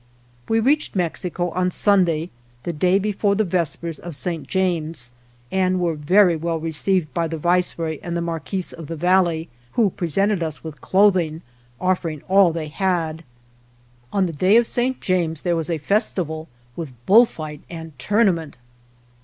We reached Mexico on Sunday, the day be fore the vespers of Saint James, and were very well received by the Viceroy and the 183 THE JOURNEY OF Marquis of the Valley, who presented us with clothing, offering all they had. On the day of Saint James there was a festival, with bull fight and tournament.